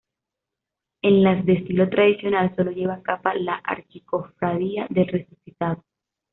En las de "estilo tradicional", solo lleva capa la Archicofradía del Resucitado.